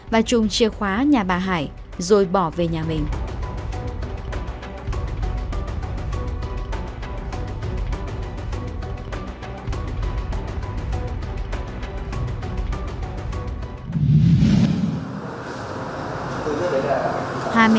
và chung chìa khóa nhà bà hải rồi bỏ về nhà mình